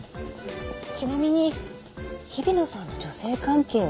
ちなみに日比野さんの女性関係はご存じですか？